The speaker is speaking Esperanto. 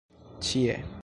ĉie